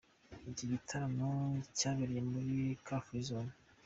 Iki gitaramo cyabereye muri Car Free zone.